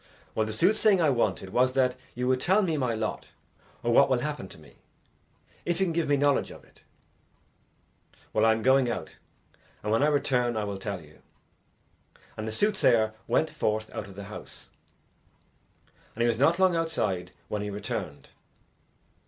"Well, the soothsaying I wanted was that you would tell me my lot or what will happen to me, if you can give me knowledge of it." "Well, I am going out, and when I return I will tell you." And the soothsayer went forth out of the house, and he was not long outside when he returned.